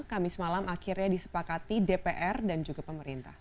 kamis malam akhirnya disepakati dpr dan juga pemerintah